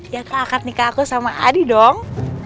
ya ke akad nikah aku sama adi dong